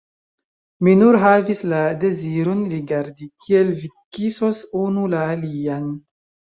Mi nur havis la deziron rigardi, kiel vi kisos unu la alian.